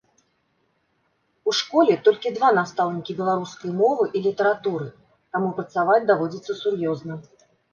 У школе толькі два настаўнікі беларускай мовы і літаратуры, таму працаваць даводзіцца сур'ёзна.